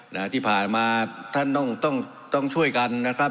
นะฮะที่ผ่านมาท่านต้องต้องช่วยกันนะครับ